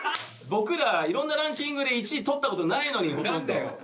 僕ら、いろんなランキングで１位取ったことないのに。